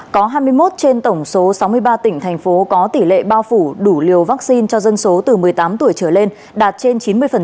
có hai mươi một trên tổng số sáu mươi ba tỉnh thành phố có tỷ lệ bao phủ đủ liều vaccine cho dân số từ một mươi tám tuổi trở lên đạt trên chín mươi